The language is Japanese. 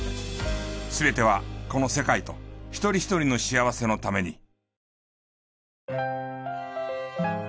全てはこの世界と一人一人の幸せのために。